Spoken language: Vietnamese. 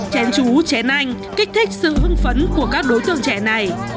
chén chú chén anh kích thích sự ưng phấn của các đối tượng trẻ này